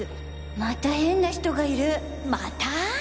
また変な人がいるまたぁ？